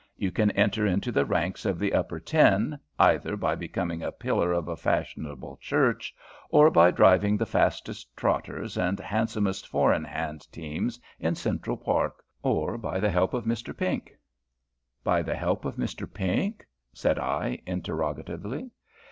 You can enter into the ranks of the upper ten, either by becoming a pillar of a fashionable church, or by driving the fastest trotters and handsomest four in hand teams in Central Park, or by the help of Mr Pink." "By the help of Mr Pink?" said I, interrogatively.